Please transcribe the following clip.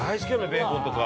ベーコンとか。